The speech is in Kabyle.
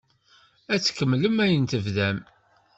Ad tkemmlem ayen tebdam?